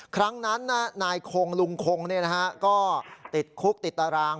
ครั้งนั้นนายคงลุงคงเนี่ยนะครับก็ติดคลุกติดตาราง